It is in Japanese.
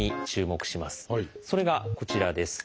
それがこちらです。